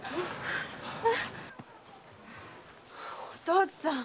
お父っつぁん。